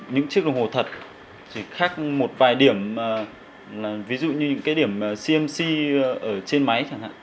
những chiếc đồng hồ thật chỉ khác một vài điểm là ví dụ như những cái điểm cmc ở trên máy chẳng hạn